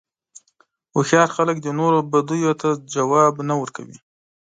هوښیار خلک د نورو بدیو ته ځواب نه ورکوي.